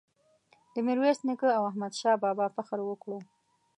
د میرویس نیکه او احمد شاه بابا فخر وکړو.